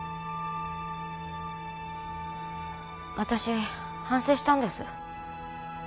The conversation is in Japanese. わたし反省したんです。